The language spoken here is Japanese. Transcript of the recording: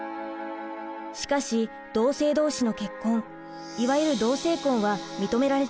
しかし同性同士の結婚いわゆる「同性婚」は認められていません。